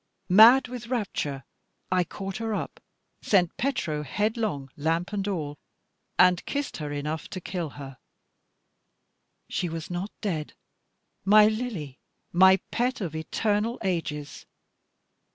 Mad with rapture, I caught her up, sent Petro headlong lamp and all, and kissed her enough to kill her. She was not dead, my Lily, my pet of eternal ages.